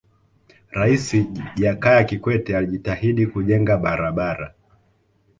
raisi jakaya kikwete alijitahidi kujenga barabara